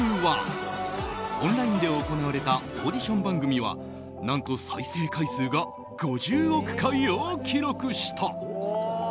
オンラインで行われたオーディション番組は何と再生回数が５０億回を記録した。